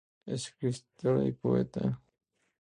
Es escritora y poeta.